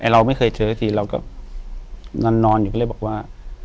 เราไม่เคยเจอสักทีเราก็นอนอยู่ก็เลยบอกว่า